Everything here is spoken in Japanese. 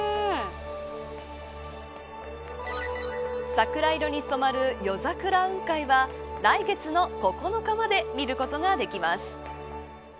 桜色に染まる夜桜雲海は来月の９日まで見ることができます。